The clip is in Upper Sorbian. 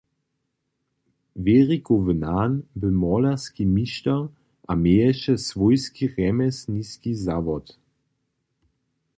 Wěrikowy nan bě molerski mišter a měješe swójski rjemjeslniski zawod.